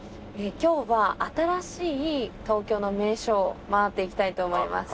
今日は新しい東京の名所を回っていきたいと思います。